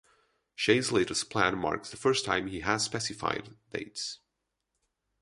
Shays' latest plan marks the first time he has specified dates.